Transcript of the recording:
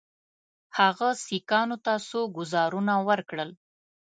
هغه سیکهانو ته څو ګوزارونه ورکړل.